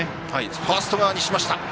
ファースト側にしました。